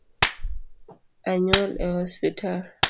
Onyuol e osiptal